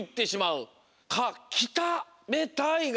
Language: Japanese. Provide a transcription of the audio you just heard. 「か『きた』べたい」が。